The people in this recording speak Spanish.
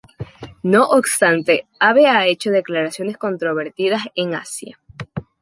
No obstante, Abe ha hecho declaraciones controvertidas en Asia.